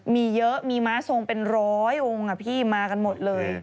มีเยอะมีม้าทรงเป็นร้อยองค์พี่มากันหมดเลย